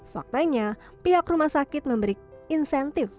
faktanya pihak rumah sakit memberi insentif